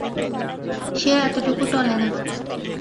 সে এতটুকু টলে না।